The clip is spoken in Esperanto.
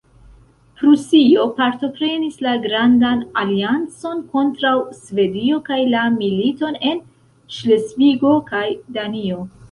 Prusio partoprenis la grandan aliancon kontraŭ Svedio kaj la militon en Ŝlesvigo kaj Danio.